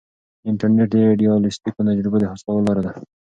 انټرنیټ د ایډیالیسټیکو تجربو د حاصلولو لار ده.